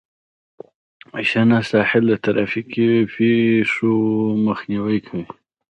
شنه ساحه د ترافیکي پیښو مخنیوی کوي